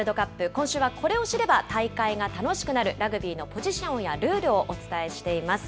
今週はこれを知れば大会が楽しくなる、ラグビーのポジションやルールをお伝えしています。